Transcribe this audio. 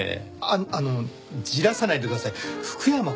あのじらさないでください。